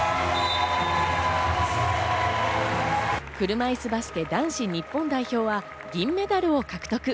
車いすバスケ男子日本代表は銀メダルを獲得。